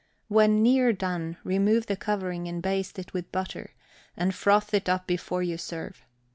When near done, remove the covering, and baste it with butter, and froth it up before you serve.